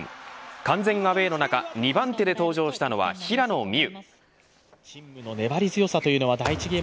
完全アウェーの中２番手で登場したのは平野美宇。